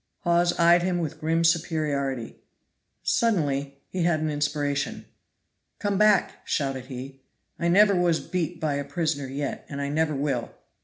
Hawes eyed him with grim superiority. Suddenly he had an inspiration. "Come back!" shouted he. "I never was beat by a prisoner yet, and I never will.